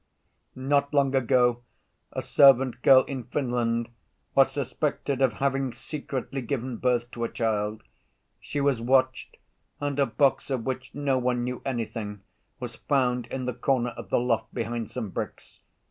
"Not long ago a servant girl in Finland was suspected of having secretly given birth to a child. She was watched, and a box of which no one knew anything was found in the corner of the loft, behind some bricks.